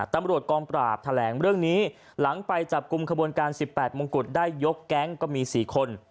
ตำรวจกองปราบแถลงเรื่องนี้หลังไปจับกลุ่มขบวนการ๑๘มงกุฎได้ยกแก๊งก็มี๔คน